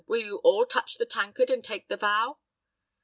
Will you all touch the tankard, and take the vow?"